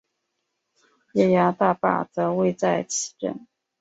耶涯大坝则位在此镇。